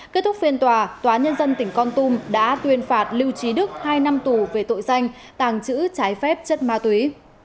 kết thúc phiên tòa tòa nhân dân tỉnh con tum đã tuyên phạt lưu trí đức hai năm tù về tội danh tàng trữ trái phép chất ma túy